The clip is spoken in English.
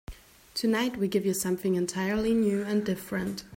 Tonight we give you something entirely new and different.